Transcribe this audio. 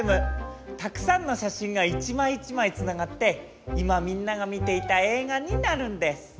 たくさんのしゃしんが一まい一まいつながって今みんなが見ていた映画になるんです。